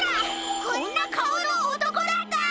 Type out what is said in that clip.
こんなかおのおとこだった！